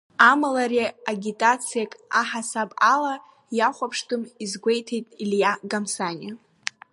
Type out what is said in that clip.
Амала ари агитациак аҳасаб ала иахәаԥштәым, азгәеиҭеит Илиа Гамсаниа.